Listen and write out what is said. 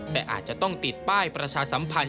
แต่อาจจะต้องติดป้ายประชาสัมพันธ